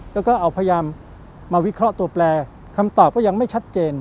แล้วก็เอาพยายามมาวิเคราะห์ตัวแปลคำตอบก็ยังไม่ชัดเจน